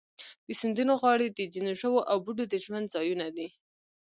د سیندونو غاړې د ځینو ژوو او بوټو د ژوند ځایونه دي.